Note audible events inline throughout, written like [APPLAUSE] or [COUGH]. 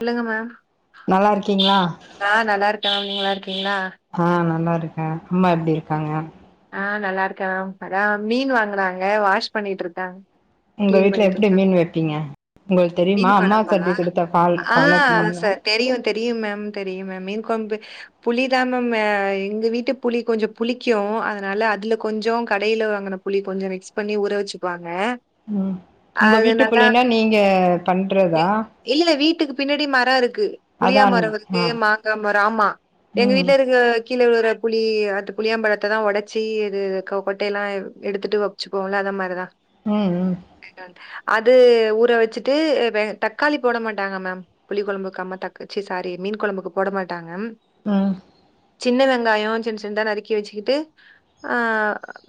இல்லங்க மேம் நல்லார்க்கீங்ளா ஆ நல்லாருக்க மேம் நீங்க நல்லாருக்கீங்ளா ஆ நல்லாருக்க அம்மா எப்டி இருக்காங்க ஆ நல்லாருக்காங் மேம் அதா மீன் வாங்குனாங்க வாஷ் பண்ணிட்ருக்காங் உங்க வீட்ல எப்டி மீன் வெப்பீங்க உங்களுக்கு தெரியுமா மீன் அம்மா கொழம்பா சொல்லி குடுத்த பால் ஆ ஃபாலோ பண்ணுவீங்களா சார் தெரியு தெரியும் மேம் தெரியும் மேம் மீன் கொழம்பு புளிதா மேம் ஆ எங்க வீட்டு புளி கொஞ்சொ புளிக்கு அதனால அதுல கொஞ்சோ கடையில வாங்குன புளி கொஞ்சொ மிக்ஸ் பண்ணி ஊற வச்சுக்குவாங்க ம் உங்க அது நல்லா வீட்டுக்குள்ளைன்னா நீங்க பண்றதா இல்லல்ல வீட்டுக்கு பின்னாடி மரொ இருக்கு அதா புளியா நீ மரொ வர்து ஆ மாங்கா மரொ ஆமா எங்க ம் வீட்ல இருக்க கீழ விழுற புளி அது புளியம்பழத்த தா ஒடச்சி இது க கொட்டையெல்லா எடுத்துட்டு வச்சுப்போம்ல அத மாரிதா ம் ம் அது ஊற வச்சுட்டு அ வெ தக்காளி போட மாட்டாங்க மேம் புளி கொழம்புக் அம்மா தக் சி சாரி மீன் கொழம்புக்கு போட மாட்டாங்க ம் சின்ன வெங்காயொ சின்சின்தா நறுக்கி வச்சுக்கிட்டு ஆ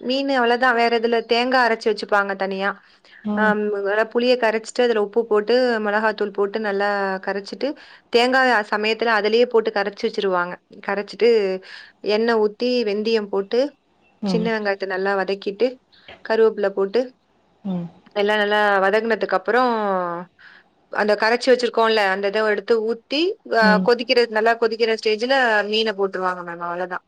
மீன் அவ்ளோதா வேற எதுல தேங்கா அரச்சு வச்சுப்பாங்க தனியா ஆ ம் [UNINTELLIGIBLE] புளிய கரச்சிட்டு அதுல உப்பு போட்டு மெளஹாத்தூள் போட்டு நல்லா கரச்சிட்டு தேங்கா சமயத்துல அதுலயே போட்டு கரச்சு வச்சுருவாங்க கரச்சிட்டு எண்ணெ ஊத் தி வெந்தியம் போட்டு சின்ன ம் வெங்காயத்த நல்லா வதக்கிட்டு கருவப்புல போட்டு ம் எல்லா நல்லா வதங்குனதுக்கப் பறொ அந்த கரச்சி வச்சிருக்கோல்ல அந்த இத எடுத்து ஊத்தி ஆ ம் கொதிக் கிற நல்லா கொதிக்கிற ஸ்டேஜுல மீன போட்டுருவாங்க மேம் அவ்ளதா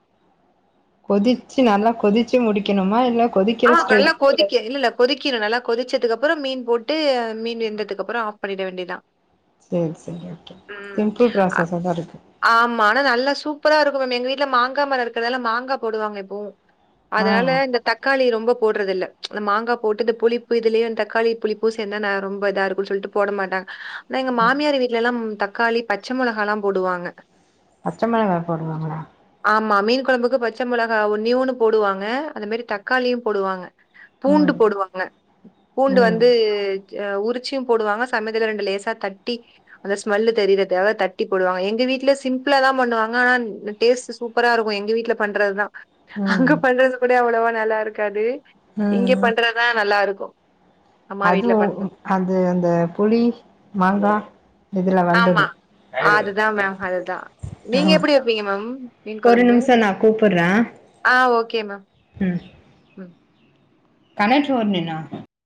கொதிச்சி நல்லா கொதிச்சி முடிக்கெணுமா இல்ல ஆ கொதிக்கிற நல்ல ஸ்டேஜ் கொதிக்கெ இல்லல்ல கொதிக்கிணு நல்லா கொதிச்சதுக்கப்பறொ மீன் போட்டு மீன் வெந்ததுக்கப்பறொ ஆஃப் பண்ணிட வேண்டியதுதா சேர் சேரி ஓகே சிம்ப்புள் அ ப்ராசஸா தா இருக்கு ஆமா ஆனா நல்லா சூப்பரா இருக்கு மேம் எங்க வீட்ல மாங்கா மரொ இருக்கறதால மாங்கா போடுவாங்க எப்பவு ஆ அதனால இந்த க்காளி ரொம்ப போட்றதில்ல அந்த மாங்கா போட்டு இந்த புளிப்பு இதுலயே தக்காளி புளிப்பு சேந்தா ந ரொம்ப இதா இருக்குன் சொல்ட்டு போட மாட்டாங் ஆனா எங்க மாமியார் வீட்லேல்லா ம் தக்காளி பச்ச மொளகால்லா போடுவாங்க பச்ச மொளகா போடுவாங்களா ஆமா மீன் கொழம்புக்கு பச்ச மொளகா ஒன்னே ஒன்னு போடுவாங்க அது மேரி தக்காளியும் போடுவாங்க பூண்டு ம் போடுவாங்க பூண்டு ம் வந்து அ உருச்சியும் போடுவாங்க சமயத்துல ரெண்டு லேசா தட்டி அந்த ஸ்மெல்லு தெரியிற தேவ தட்டி போடுவாங்க எங்க வீட்ல சிம்ப்புளாதா பண்ணுவாங்க ஆனா டேஸ்ட்டு சூப்பரா இருக்கு எங்க வீட்ல பண்றதுதா அங்க ம் பண்றது கூட அவ்ளவா நல்லா இருக்காது இங்க ம் பண்றதுதா நல்லா இருக்கு அதுவு அந்த அந்த புளி மாங்கா இதுல வந்தது அதுதா மேம் அதுதா ஆ நீங்க எப்டி வெப்பீங்க மேம் மீன் ஒரு கொழம்பு நிமிஷோ நா கூப்புட்றே ஆ ஓகே மே ம் கனட் ஹோர்னினா